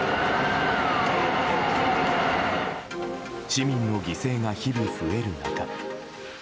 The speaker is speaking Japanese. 市民の犠牲が日々増える中。